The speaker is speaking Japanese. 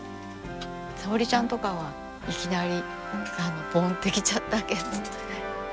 さおりちゃんとかはいきなりぼんって来ちゃったけど。